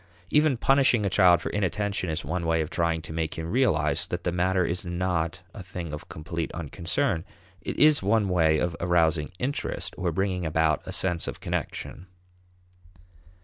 Even punishing a child for inattention is one way of trying to make him realize that the matter is not a thing of complete unconcern; it is one way of arousing "interest," or bringing about a sense of connection.